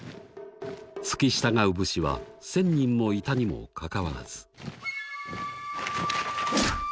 付き従う武士は１，０００人もいたにもかかわらず。